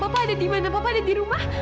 papa ada di mana papa ada di rumah